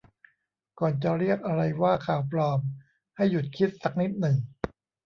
ก่อนจะเรียกอะไรว่า ข่าวปลอม ให้หยุดคิดสักนิดหนึ่ง